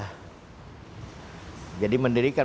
nah jadi mendirikan